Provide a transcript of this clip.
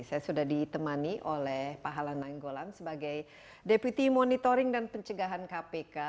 saya sudah ditemani oleh pak hala nainggolan sebagai deputi monitoring dan pencegahan kpk